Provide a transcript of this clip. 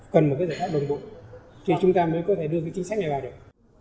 cần một giải pháp đồn bụng thì chúng ta mới có thể đưa chính sách này vào được